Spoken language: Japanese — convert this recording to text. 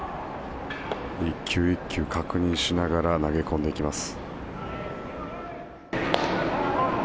１球１球、確認しながら投げ込んでいきます。